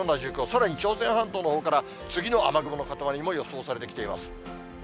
さらに朝鮮半島のほうから次の雨雲のかたまりも予想されてきています。